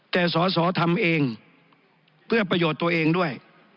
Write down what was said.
แต่สอสอทำเองเพื่อประโยชน์ตัวเองด้วย